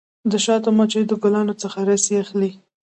د شاتو مچۍ د ګلانو څخه رس اخلي.